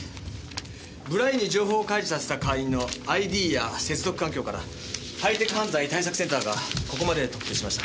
ブライに情報開示させた会員のＩＤや接続環境からハイテク犯罪対策センターがここまで特定しました。